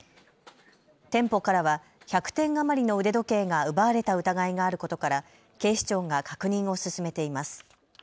店舗からは１００点余りの腕時計が奪われた疑いがあることから警視庁が確認を進めています。